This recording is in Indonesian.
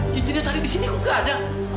cincinnya tadi di sini kok gak ada